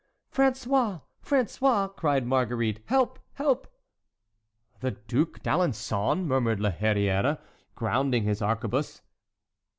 "François! François!" cried Marguerite; "help! help!" "The Duc d'Alençon!" murmured La Hurière, grounding his arquebuse.